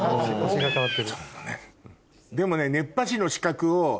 でもね。